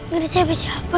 gue udah cewek siapa